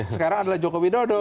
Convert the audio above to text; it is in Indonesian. sekarang adalah joko widodo